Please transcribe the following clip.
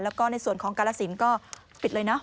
แล้วก็ในส่วนของกาลสินก็ปิดเลยเนาะ